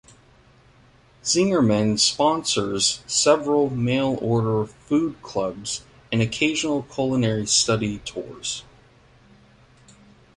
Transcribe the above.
Zingerman's sponsors several mail-order food clubs and occasional culinary study tours.